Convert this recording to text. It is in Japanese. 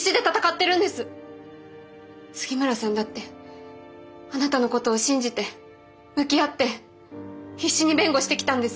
杉村さんだってあなたのことを信じて向き合って必死に弁護してきたんです。